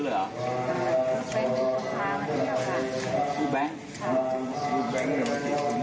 เมื่อวานแบงค์อยู่ไหนเมื่อวาน